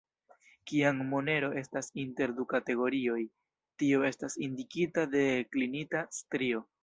Kiam monero estas inter du kategorioj, tio estas indikita de klinita strio.